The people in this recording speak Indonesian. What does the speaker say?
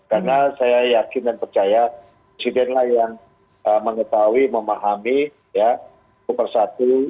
karena saya yakin dan percaya presidenlah yang mengetahui memahami ya